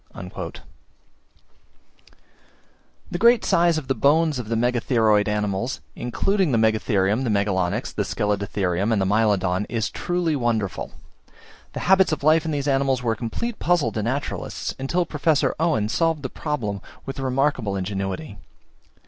The great size of the bones of the Megatheroid animals, including the Megatherium, Megalonyx, Scelidotherium, and Mylodon, is truly wonderful. The habits of life of these animals were a complete puzzle to naturalists, until Professor Owen solved the problem with remarkable ingenuity.